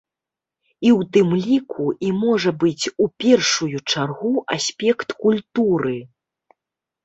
І ў тым ліку, і, можа быць, у першую чаргу, аспект культуры.